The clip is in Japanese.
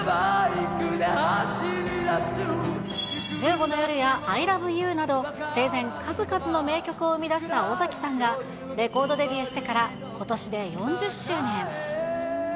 １５の夜やＩＬＯＶＥＹＯＵなど生前、数々の名曲を生み出した尾崎さんが、レコードデビューしてから、ことしで４０周年。